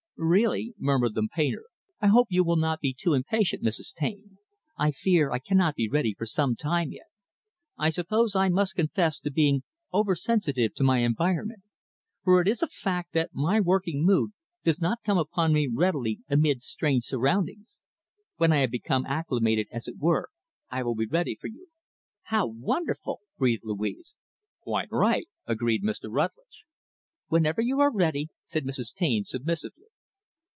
"Really," murmured the painter, "I hope you will not be too impatient, Mrs. Taine, I fear I cannot be ready for some time yet. I suppose I must confess to being over sensitive to my environment; for it is a fact that my working mood does not come upon me readily amid strange surroundings. When I have become acclimated, as it were, I will be ready for you." "How wonderful!" breathed Louise. "Quite right," agreed Mr. Rutlidge. "Whenever you are ready," said Mrs. Taine, submissively.